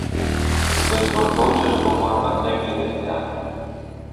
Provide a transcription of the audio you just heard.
Pois por cousas como a pandemia deste ano.